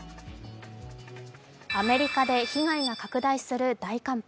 アメリカで被害が拡大する大寒波。